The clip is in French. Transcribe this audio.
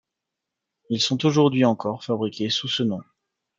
Ils sont aujourd'hui encore fabriqués sous ce nom.